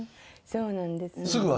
そうなんです。